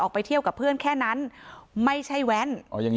ไปเที่ยวกับเพื่อนแค่นั้นไม่ใช่แว้น